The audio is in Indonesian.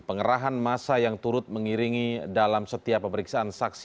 pengerahan masa yang turut mengiringi dalam setiap pemeriksaan saksi